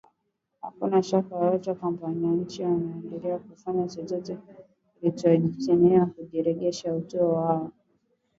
hakuna shaka yoyote kwamba wananchi wamejiandaa kufanya chochote kinachohitajika ili kurejesha utu wao